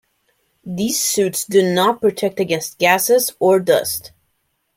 These suits do not protect against gases or dust.